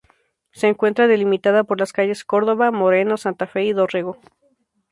Se encuentra delimitada por las calles Córdoba, Moreno, Santa Fe y Dorrego.